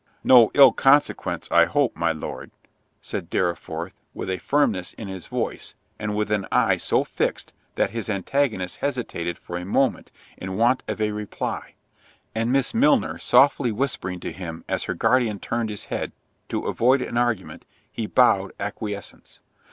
"No ill consequence, I hope, my Lord?" said Dorriforth, with a firmness in his voice, and with an eye so fixed, that his antagonist hesitated for a moment in want of a reply—and Miss Milner softly whispering to him, as her guardian turned his head, to avoid an argument, he bowed acquiescence.